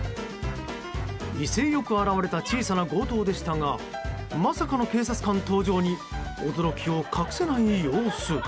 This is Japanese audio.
威勢よく現れた小さな強盗でしたがまさかの警察官登場に驚きを隠せない様子。